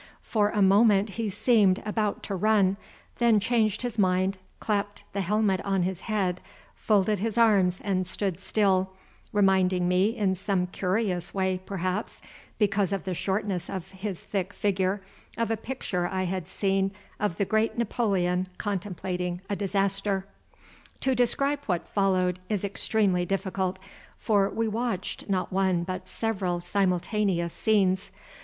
For a moment he seemed about to run, then changed his mind, clapped the helmet on his head, folded his arms and stood still, reminding me in some curious way, perhaps, because of the shortness of his thick figure, of a picture I had seen of the great Napoleon contemplating a disaster. To describe what followed is extremely difficult, for we watched not one but several simultaneous scenes.